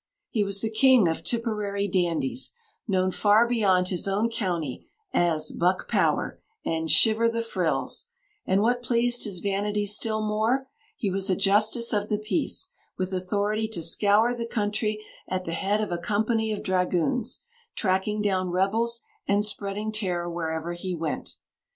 He was the king of Tipperary dandies, known far beyond his own county as "Buck Power" and "Shiver the Frills"; and what pleased his vanity still more, he was a Justice of the Peace, with authority to scour the country at the head of a company of dragoons, tracking down rebels and spreading terror wherever he went.